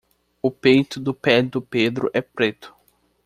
o peito do pé do pedro é preto